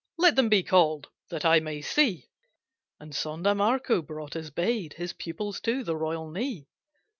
Let them be called, that I may see." And Sonda Marco brought as bade His pupils to the royal knee.